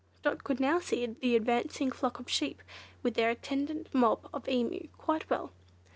Dot could now see the advancing flock of sheep, with their attendant mob of Emu, quite well.